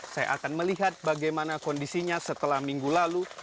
saya akan melihat bagaimana kondisinya setelah minggu lalu